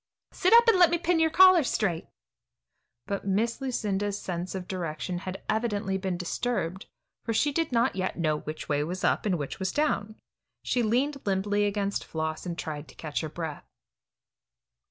Sit up and let me pin your collar straight." But Miss Lucinda's sense of direction had evidently been disturbed, for she did not yet know which was up, and which was down. She leaned limply against Floss and tried to get her breath.